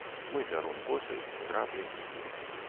Мы бяром косы, граблі.